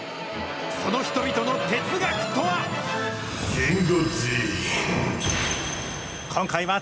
その人々の哲学とは。